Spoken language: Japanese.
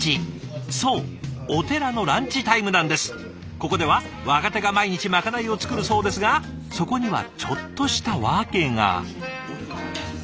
ここでは若手が毎日まかないを作るそうですがそこにはちょっとした訳が。